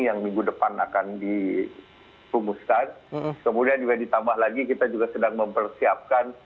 yang minggu depan akan dirumuskan kemudian juga ditambah lagi kita juga sedang mempersiapkan